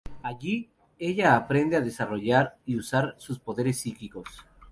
Allí, ella aprende a desarrollar y usar sus poderes psíquicos.